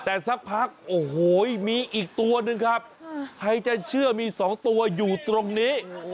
แต่สักพักโอ้โหมีอีกตัวหนึ่งครับใครจะเชื่อมี๒ตัวอยู่ตรงนี้